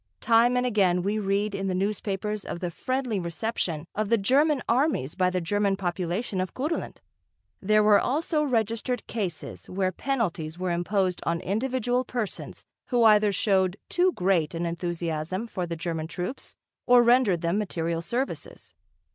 Time and again we read in the newspapers of the friendly reception of the German armies by the German population of Kurland. There were also registered cases where penalties were imposed on individual persons who either showed too great an enthusiasm for the German troops or rendered them material services.